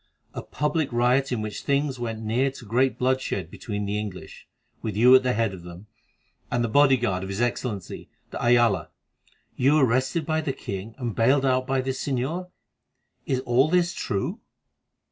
A public riot in which things went near to great bloodshed between the English, with you at the head of them, and the bodyguard of his Excellency, de Ayala. You arrested by the king, and bailed out by this señor. Is all this true?"